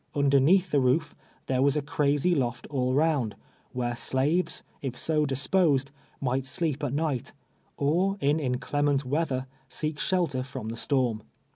Underneath the roof tliere was a crazy loft all round, where slaves, if so dis])osed, mii;'ht sleep at niu ht, or in inclement v/eather seek shelter from tlie storm.